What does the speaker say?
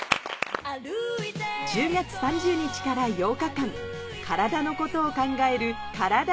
１０月３０日から８日間体のことを考えるカラダ